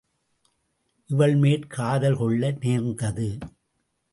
இவள்மேற் காதல் கொள்ள நேர்ந்தது.